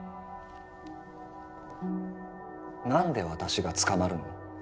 何で私が捕まるの？